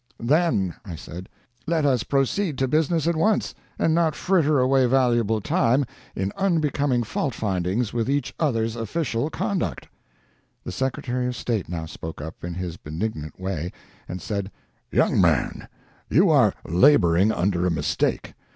"Then," I said, "let us proceed to business at once, and not fritter away valuable time in unbecoming fault findings with each other's official conduct." The Secretary of State now spoke up, in his benignant way, and said, "Young man, you are laboring under a mistake.